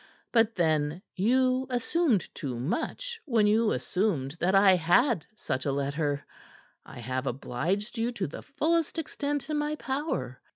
But, then, you assumed too much when you assumed that I had such a letter. I have obliged you to the fullest extent in my power.